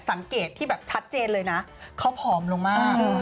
สังเกตที่แบบชัดเจนเลยนะเขาผอมลงมาก